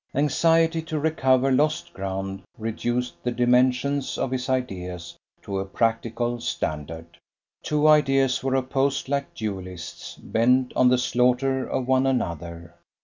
Anxiety to recover lost ground reduced the dimensions of his ideas to a practical standard. Two ideas were opposed like duellists bent on the slaughter of one another.